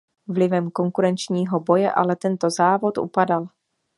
Vlivem konkurenčního boje ale tento závod upadal.